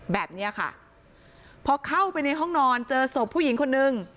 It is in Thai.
แบบนี้ค่ะพอเข้าไปในห้องนอนเจอศพผู้หญิงคนนึง